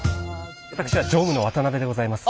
私は常務の渡邊でございます。